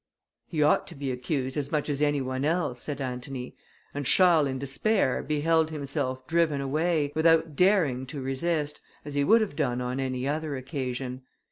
"He ought to be accused as much as any one else," said Antony, and Charles in despair beheld himself driven away, without daring to resist, as he would have done on any other occasion.